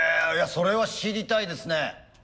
それは知りたいですね。